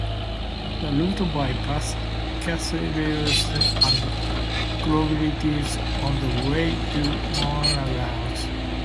The route by-passes Castleblayney and Clontibret on the way to Monaghan.